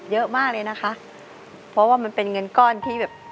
เยอะมากเลยนะคะเพราะว่ามันเป็นเงินก้อนที่แบบ